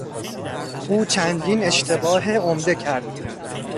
او چندین اشتباه عمده کرد.